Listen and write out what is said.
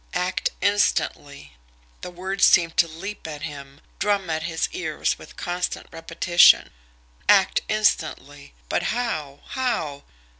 "Act instantly!" The words seemed to leap at him, drum at his ears with constant repetition. Act instantly! But how? How?